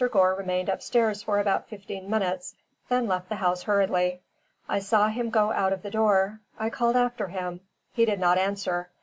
Gore remained upstairs for about fifteen minutes, then left the house hurriedly. I saw him go out of the door. I called after him. He did not answer.